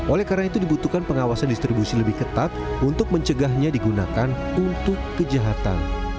oleh karena itu dibutuhkan pengawasan distribusi lebih ketat untuk mencegahnya digunakan untuk kejahatan